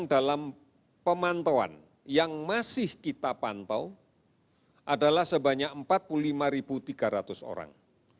dalam pemantauan yang masih kita pantau adalah sebanyak empat puluh lima tiga ratus orang